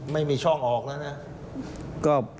ไม่มีช่องออกแล้วนะ